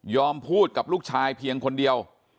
พูดกับลูกชายเพียงคนเดียว